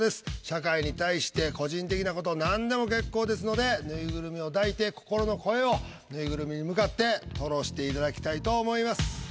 社会に対して個人的なことなんでも結構ですのでぬいぐるみを抱いて心の声をぬいぐるみに向かって吐露していただきたいと思います。